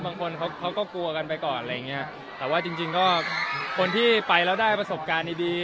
บางคนเขาก็กลัวกันไปก่อนอะไรอย่างเงี้ยแต่ว่าจริงจริงก็คนที่ไปแล้วได้ประสบการณ์ดีดี